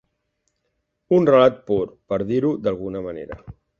Un relat pur, per dir-ho d’alguna manera.